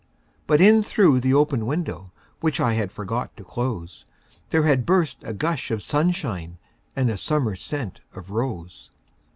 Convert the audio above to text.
But in through the open window, Which I had forgot to close, There had burst a gush of sunshineAnd a summer scent of rose.